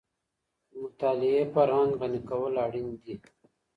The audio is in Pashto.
د مطالعې فرهنګ غني کول اړین دي.